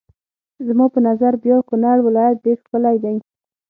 زما په نظر بیا کونړ ولایت ډېر ښکلی دی.